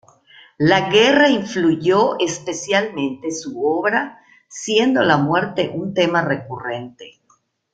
La guerra influyó especialmente su obra, siendo la muerte un tema recurrente.